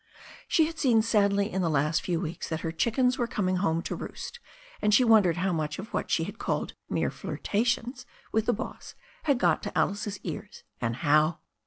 She had seen sadly in the last weeks that her chickens were coming home to roost, and she wondered how much of what she had called mere flirtations with the boss had got to Alice's ears and how.